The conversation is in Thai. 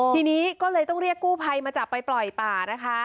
ทีนี้ก็เลยต้องเรียกกู้ภัยมาจับไปปล่อยป่านะคะ